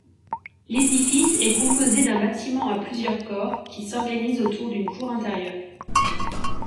L'édifice est composé d'un bâtiment à plusieurs corps qui s'organisent autour d'une cour intérieure.